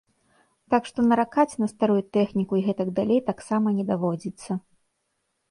Так што наракаць на старую тэхніку і гэтак далей таксама не даводзіцца.